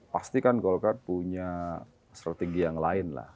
pastikan golkar punya strategi yang lain lah